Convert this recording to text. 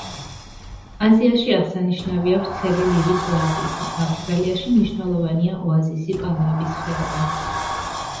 აზიაში აღსანიშნავია ვრცელი ლივის ოაზისი; ავსტრალიაში მნიშვნელოვანია ოაზისი „პალმების ხეობა“.